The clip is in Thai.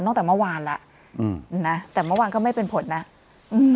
ตั้งแต่เมื่อวานแล้วอืมนะแต่เมื่อวานก็ไม่เป็นผลนะอืม